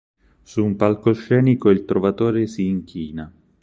Su un palcoscenico il trovatore si inchina.